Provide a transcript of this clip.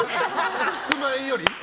キスマイより？